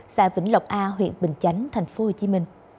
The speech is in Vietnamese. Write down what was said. xã vĩnh lộc a huyện bình chánh tp hcm